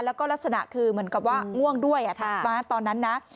แล้วก็ลักษณะคือเหมือนกับว่าง่วงด้วยตอนนั้นนะ